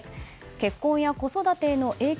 結婚や子育てへの影響